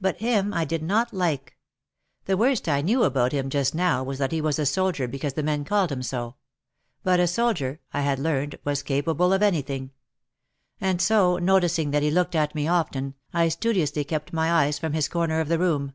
But him I did not like. The worst I knew about him just now was that he was a soldier be cause the men called him so. But a soldier, I had learned, was capable of anything. And so, noticing that he looked at me often, I studiously kept my eyes from his corner of the room.